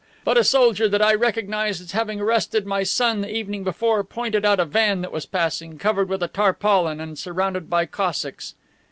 But a soldier that I recognized as having arrested my son the evening before pointed out a van that was passing, covered with a tarpaulin and surrounded by Cossacks.